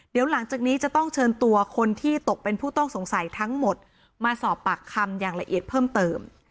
เดี๋ยวหลังจากนี้จะต้องเชิญตัวคนที่ตกเป็นผู้ต้องสงสัยทั้งหมดมาสอบปากคำอย่างละเอียดเพิ่มเติม